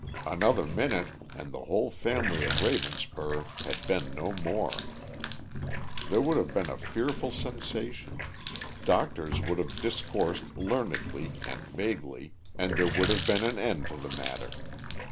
Another minute and the whole family of Ravenspur had been no more. There would have been a fearful sensation: doctors would have discoursed learnedly and vaguely and there would have been an end to the matter.